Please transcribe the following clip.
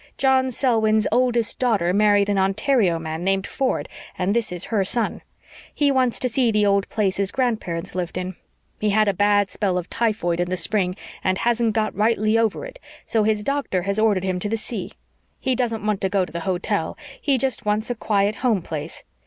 John Selwyn's oldest daughter married an Ontario man named Ford, and this is her son. He wants to see the old place his grandparents lived in. He had a bad spell of typhoid in the spring and hasn't got rightly over it, so his doctor has ordered him to the sea. He doesn't want to go to the hotel he just wants a quiet home place.